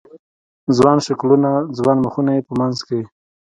ځوان شکلونه، ځوان مخونه یې په منځ کې